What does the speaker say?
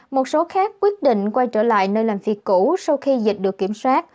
một số khác quyết định quay trở lại nơi làm phi cũ sau khi dịch được kiểm soát